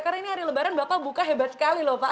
karena ini hari lebaran bapak buka hebat sekali loh pak